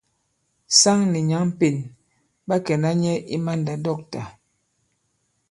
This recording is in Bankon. Saŋ nì nyǎŋ Pên ɓa kɛ̀na nyɛ i mandàdɔ̂ktà.